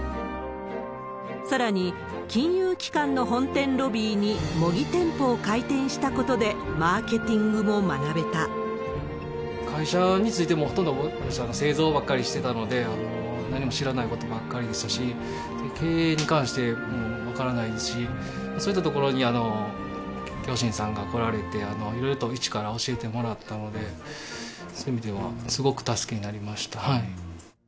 さらに、金融機関の本店ロビーに模擬店舗を開店したことで、会社について、もうほとんど、私は製造ばかりしてたので、何も知らないことばっかりでしたし、経営に関しても分からないですし、そういったところに京信さんが来られて、いろいろと一から教えてもらったので、そういう意味ではすごく助けになりました。